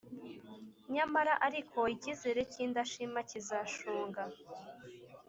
Nyamara ariko, icyizere cy’indashima kizashonga